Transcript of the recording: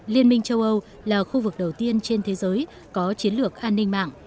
liên minh châu âu là khu vực đầu tiên trên thế giới có chiến lược an ninh mạng